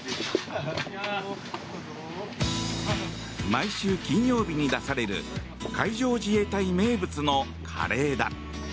毎週金曜日に出される海上自衛隊名物のカレーだ。